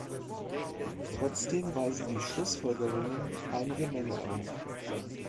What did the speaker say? Trotzdem weisen die Schlussfolgerungen einige Mängel auf.